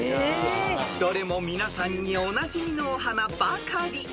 ［どれも皆さんにおなじみのお花ばかり］